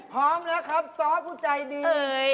พร้อมนะครับสอบทว์ใจดี